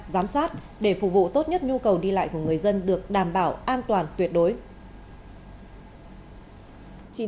giám sát để phục vụ tốt nhất nhu cầu đi lại của người dân được đảm bảo an toàn tuyệt đối